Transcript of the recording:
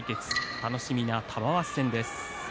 楽しみな玉鷲戦です。